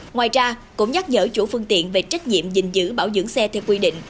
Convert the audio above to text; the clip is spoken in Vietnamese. ngoài ra cũng nhắc nhở chủ phương tiện về trách nhiệm dình dữ bảo dưỡng xe theo quy định